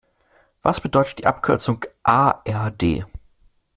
Was bedeutet die Abkürzung A-R-D?